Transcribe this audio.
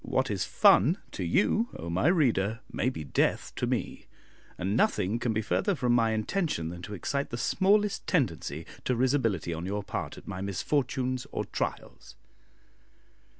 What is fun to you, O my reader! may be death to me; and nothing can be further from my intention than to excite the smallest tendency to risibility on your part at my misfortunes or trials.